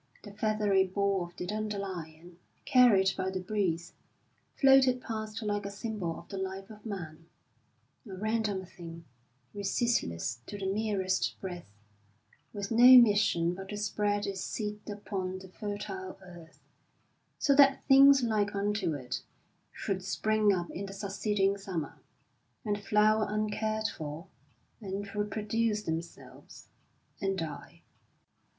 The feathery ball of the dandelion, carried by the breeze, floated past like a symbol of the life of man a random thing, resistless to the merest breath, with no mission but to spread its seed upon the fertile earth, so that things like unto it should spring up in the succeeding summer, and flower uncared for, and reproduce themselves, and die.